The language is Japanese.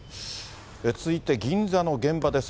続いて銀座の現場です。